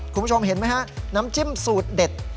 คุณผู้ชมเห็นไหมฮะน้ำจิ้มสูตรเด็ด